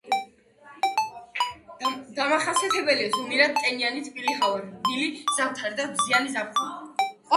დამახასიათებელია ზომიერად ტენიანი თბილი ჰავა, რბილი ზამთარი და მზიანი ზაფხული.